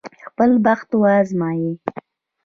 خپل بخت وازمايي.